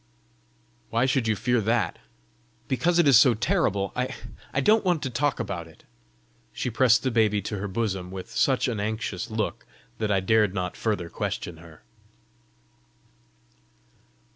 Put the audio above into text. "Why should you fear that?" "Because it is so terrible. I don't want to talk about it!" She pressed the baby to her bosom with such an anxious look that I dared not further question her.